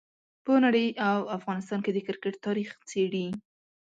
په نړۍ او افغانستان کې د کرکټ تاریخ څېړي.